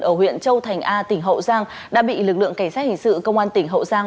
ở huyện châu thành a tỉnh hậu giang đã bị lực lượng cảnh sát hình sự công an tỉnh hậu giang